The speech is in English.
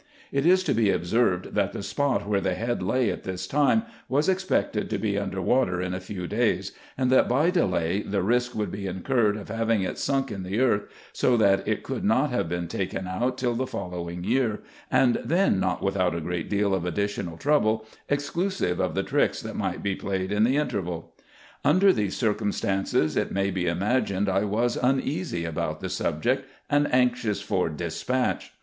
It is to be observed, that the spot where the head lay at this time was expected to be under water in a few days ; and that by delay the risk would be incurred of having it sunk in the earth, so that it could not have been taken out till the following year, and then not without a great deal of additional trouble, exclusive of the tricks that might be played in the interval. Under these circumstances, it may be imagined I was uneasy upon the subject, and anxious for despatch.